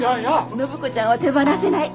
暢子ちゃんは手放せない。